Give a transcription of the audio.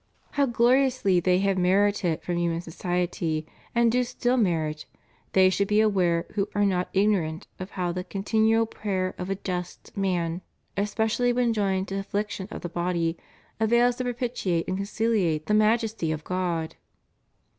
How gloriously they have merited from human society, and do still merit, they should be aware who are not ignorant of how the continual prayer of a just »Galat iv. 31. TRUE AND FALSE AMERICANISM IN RELIGION. 451 man,^ especially when joined to affliction of the body, avails to propitiate and conciliate the majesty of God.